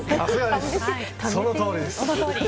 そのとおりです。